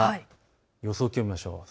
予想気温を見ましょう。